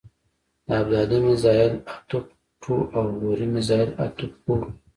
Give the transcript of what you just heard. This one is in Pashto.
د ابدالي میزایل حتف ټو او غوري مزایل حتف فور و.